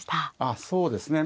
ああそうですね。